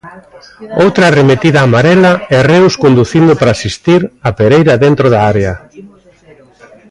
Outra arremetida amarela e Reus conducindo para asistir a Pereira dentro da área.